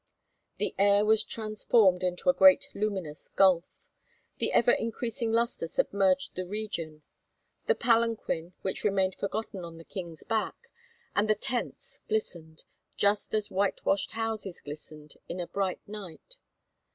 The air was transformed into a great luminous gulf. The ever increasing luster submerged the region. The palanquin, which remained forgotten on the King's back, and the tents glistened, just as whitewashed houses glisten in a bright night.